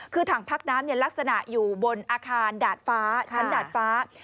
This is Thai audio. คือถังพักน้ำลักษณะอยู่บนอาคารดาดฟ้าชั้นดาดฟ้า